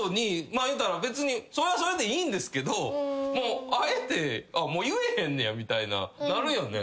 まあ言うたら別にそれはそれでいいんですけどあえてもう言えへんねやみたいななるよね？